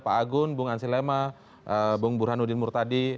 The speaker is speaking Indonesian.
pak agun bung ansi lema bung burhanuddin murtadi